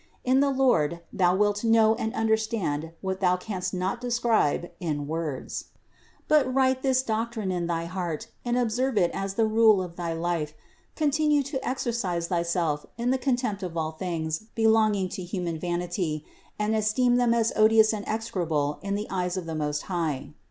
In the Lord thou wilt know and understand what thou canst not describe in words. 253. But write this doctrine in thy heart and observe it as the rule of thy life; continue to exercise thyself in the contempt of all things belonging to human vanity, and esteem them as odious and execrable in the eyes of 2 15 JOc CITY OF GOD the Most High.